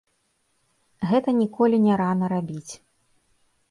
Гэта ніколі не рана рабіць.